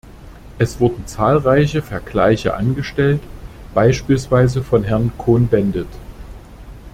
Es wurden zahlreiche Vergleiche angestellt, beispielsweise von Herrn Cohn-Bendit.